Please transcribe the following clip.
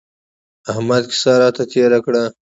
احمد کيسه راته تېره کړه.